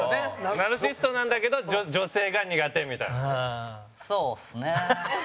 ナルシストなんだけど女性が苦手みたいな。